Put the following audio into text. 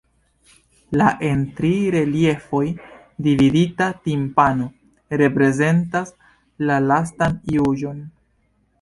La en tri reliefoj dividita timpano reprezentas la Lastan juĝon.